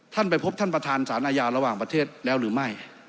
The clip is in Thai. ไปพบท่านประธานสารอาญาระหว่างประเทศแล้วหรือไม่